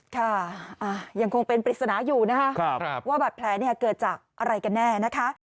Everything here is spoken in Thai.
ค่ะอ่ายังคงเป็นปริศนาอยู่นะคะครับครับว่าบัตรแผลเนี่ยเกิดจากอะไรกันแน่นะคะ